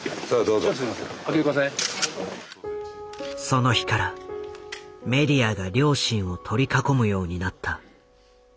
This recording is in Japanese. その日からメディアが両親を取り囲むようになった。